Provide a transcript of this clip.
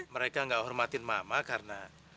mereka tidak hormatin mama karena